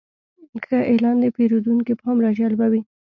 ښه اعلان د پیرودونکي پام راجلبوي.